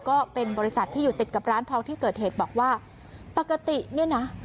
ก็เป็นบริษัทที่อยู่ติดกับร้านทองที่เกิดเหตุบอกว่าปกติเนี่ยนะ